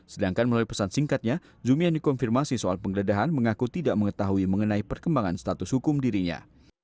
sedangkan melalui pesan singkatnya jumi yang dikonfirmasi soal penggeledahan mengaku tidak mengetahui mengenai perkembangan status hukum dirinya